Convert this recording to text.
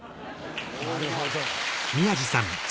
なるほど。